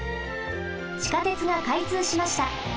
地下鉄がかいつうしました。